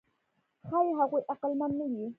ښایي هغوی عقلمن نه وي.